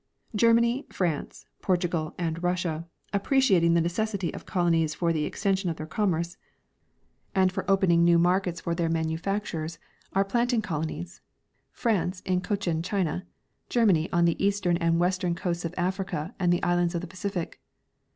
Germany, France, Portugal, and Russia, appreciating the neces sity of colonies for the extension of their commerce and for open Growth of oiir internal Commerce. 11 ing new markets for their niannfactures. are planting colonies, France in Cochin China, Germany on the eastern and western coasts of Africa and the islands of the Pacific.